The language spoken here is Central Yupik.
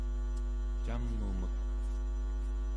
cam'umek